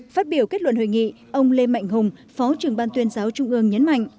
phát biểu kết luận hội nghị ông lê mạnh hùng phó trưởng ban tuyên giáo trung ương nhấn mạnh